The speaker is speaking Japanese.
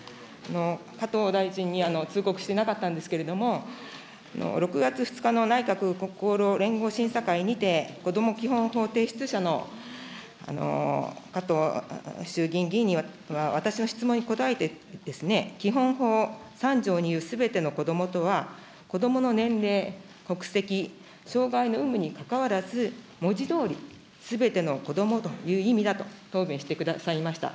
加藤大臣に通告してなかったんですけれども、６月２日の内閣連合審査会において、こども基本法者の加藤衆議院議員には私の質問に答えてですね、基本法３条にいうすべての子どもとは、子どもの年齢、国籍、障害の有無にかかわらず、文字どおり、すべての子どもだというふうに答弁してくださいました。